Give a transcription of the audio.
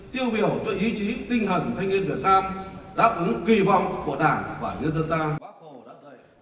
tiêu biểu cho ý chí tinh hẳn thanh niên việt nam đáp ứng kỳ vọng của đảng và nhân dân ta